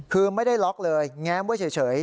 คือไม่ได้ล็อกเลยแง้มไว้เฉย